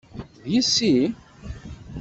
D yessi?